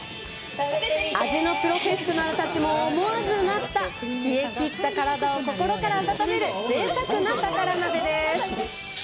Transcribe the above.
味のプロフェッショナルたちも思わずうなった冷えきった体を心から温めるぜいたくな宝鍋です。